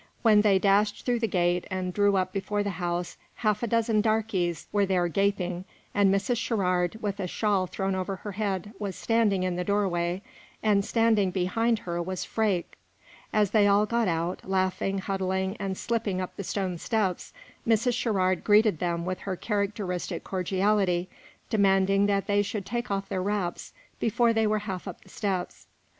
When they dashed through the gate and drew up before the house, half a dozen darkies were there gaping; and Mrs. Sherrard, with a shawl thrown over her head, was standing in the doorway, and standing behind her was Freke. As they all got out, laughing, huddling, and slipping up the stone steps, Mrs. Sherrard greeted them with her characteristic cordiality, demanding that they should take off their wraps before they were half up the steps.